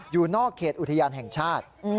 อยู่นอกเขตอุทยานแห่งชาติ